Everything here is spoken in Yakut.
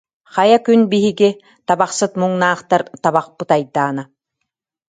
Хайа күн биһиги, табахсыт муҥнаахтар, табахпыт айдаана